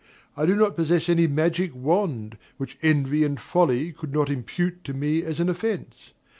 I do not possess any magic wand, which envy and folly could not impute to me as an offence.